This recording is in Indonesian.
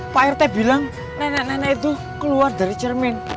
pak rt bilang nenek nenek itu keluar dari cermin